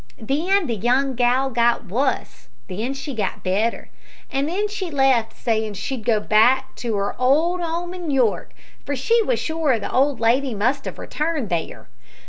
Then the young gal got wuss, then she got better, and then she left, sayin' she'd go back to 'er old 'ome in York, for she was sure the old lady must have returned there.